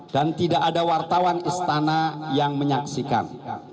dan tidak ada wartawan istana yang menyaksikan